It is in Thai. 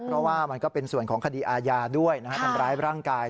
เพราะว่ามันก็เป็นส่วนของคดีอาญาด้วยทำร้ายร่างกาย